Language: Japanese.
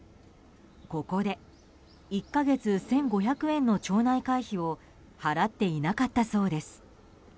ここで１か月１５００円の町内会費を払っていなかったそうです。